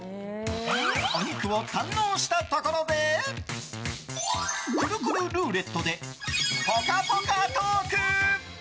お肉を堪能したところでくるくるルーレットでぽかぽかトーク！